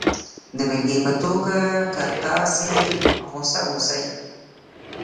د بېلګې په توګه که تاسې غسه اوسئ